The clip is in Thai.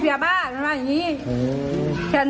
ความให้ติดต่างตีก็ถึง